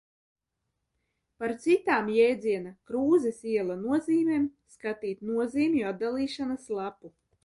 Par citām jēdziena Krūzes iela nozīmēm skatīt nozīmju atdalīšanas lapu.